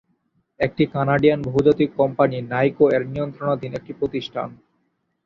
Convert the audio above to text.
এটি কানাডিয়ান বহুজাতিক কোম্পানি নাইকো-এর নিয়ন্ত্রণাধীন একটি প্রতিষ্ঠান।